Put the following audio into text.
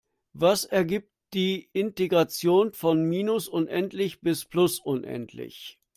Was ergibt die Integration von minus unendlich bis plus unendlich?